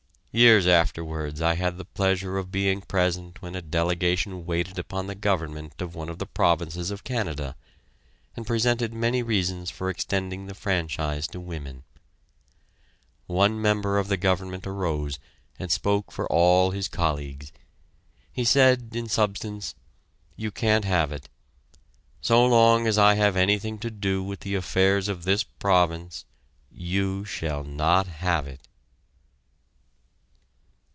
Years afterwards I had the pleasure of being present when a delegation waited upon the Government of one of the provinces of Canada, and presented many reasons for extending the franchise to women. One member of the Government arose and spoke for all his colleagues. He said in substance: "You can't have it so long as I have anything to do with the affairs of this province you shall not have it!"...